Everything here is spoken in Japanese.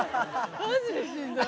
マジでしんどい。